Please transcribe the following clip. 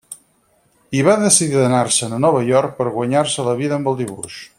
Hi va decidir d'anar-se'n a Nova York, per guanyar-se la vida amb el dibuix.